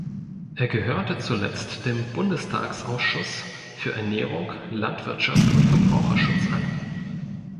Er gehörte zuletzt dem Bundestagsausschuss für Ernährung, Landwirtschaft und Verbraucherschutz an.